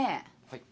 はい。